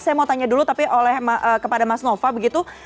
saya mau tanya dulu tapi kepada mas nova begitu